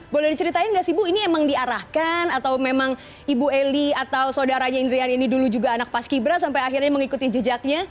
boleh diceritain nggak sih bu ini emang diarahkan atau memang ibu eli atau saudaranya indrian ini dulu juga anak paski bra sampai akhirnya mengikuti jejaknya